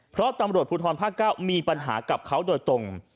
เพราะตำรวจภูทรภาค๙มีปัญหากับเขาโดยตรง